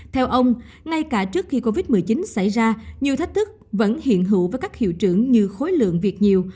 theo ông ngay cả trước khi covid một mươi chín xảy ra nhiều thách thức vẫn hiện hữu với các hiệu trưởng như khối lượng việc nhiều